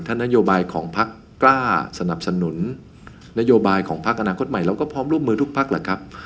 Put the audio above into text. ถ้านโยบายของพักกล้าสนับสนุนนโยบายของพักอนาคตใหม่เราก็พร้อมร่วมมือทุกพักแหละครับ